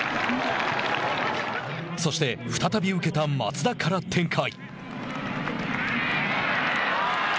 そして、再び受けた松田から展開。